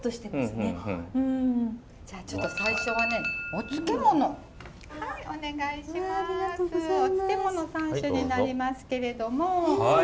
お漬物３種になりますけれども。